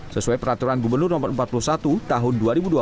sesuai peraturan gubernur no empat puluh satu tahun dua ribu dua puluh